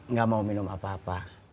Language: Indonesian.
nggak mau minum apa apa